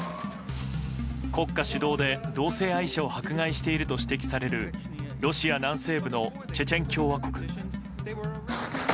国家主導で同性愛者を迫害していると指摘されるロシア南西部のチェチェン共和国。